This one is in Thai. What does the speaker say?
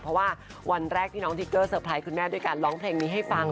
เพราะว่าวันแรกที่น้องทิกเกอร์เซอร์ไพรส์คุณแม่ด้วยการร้องเพลงนี้ให้ฟัง